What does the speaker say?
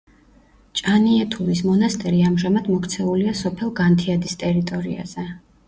ჭანიეთურის მონასტერი ამჟამად მოქცეულია სოფელ განთიადის ტერიტორიაზე.